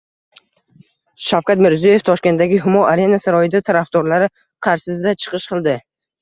Shavkat Mirziyoyev Toshkentdagi Humo Arena saroyida tarafdorlari qarshisida chiqish qildi